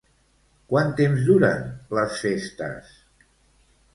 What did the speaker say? Quant temps duren les festes?